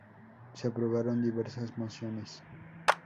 se aprobaron diversas mociones